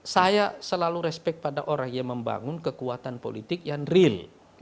saya selalu respect pada orang yang membangun kekuatan politik yang real